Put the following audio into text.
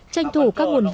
tranh thủ các nguồn vụ